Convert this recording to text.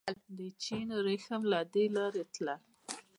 د چین وریښم له دې لارې تلل